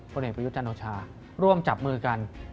เอกประยุทธ์จันโอชาร่วมจับมือกัน